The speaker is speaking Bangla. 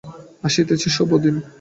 আসিতেছে শুভদিন।